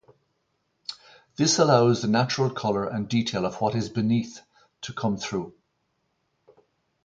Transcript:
This allows the natural color and detail of what is beneath to come through.